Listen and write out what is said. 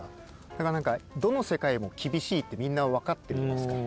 だから何かどの世界も厳しいってみんな分かってるじゃないですか。